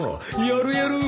やるやる